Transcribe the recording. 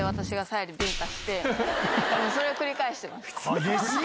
激しい！